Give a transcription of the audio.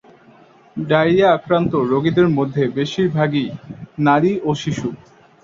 ডায়রিয়ায় আক্রান্ত রোগীদের মধ্যে বেশির ভাগই নারী ও শিশু।